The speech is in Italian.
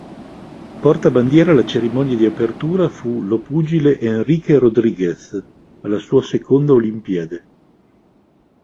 Portabandiera alla cerimonia di apertura fu lo pugile Enrique Rodríguez, alla sua seconda Olimpiade.